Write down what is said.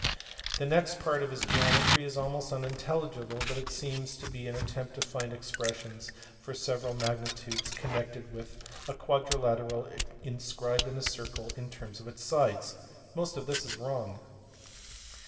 The next part of his geometry is almost unintelligible, but it seems to be an at tempt to find expressions for several magnitudes connected with a quadrilateral inscribed in a circle in terms of its sides : most of this is wrong.